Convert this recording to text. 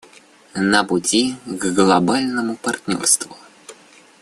На пути к глобальному партнерству.